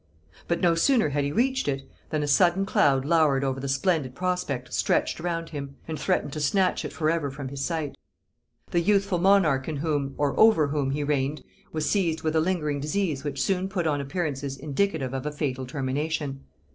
But no sooner had he reached it, than a sudden cloud lowered over the splendid prospect stretched around him, and threatened to snatch it for ever from his sight. The youthful monarch in whom, or over whom, he reigned, was seized with a lingering disease which soon put on appearances indicative of a fatal termination.